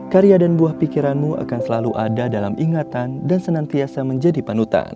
karya dan buah pikiranmu akan selalu ada dalam ingatan dan senantiasa menjadi panutan